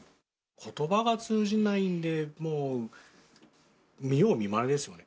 ことばが通じないんで、見よう見まねですね。